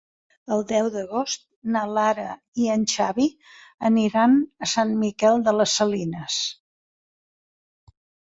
El deu d'agost na Lara i en Xavi aniran a Sant Miquel de les Salines.